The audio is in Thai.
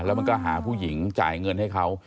แล้วมันก็หาผู้หญิงจ่ายเงินให้เขา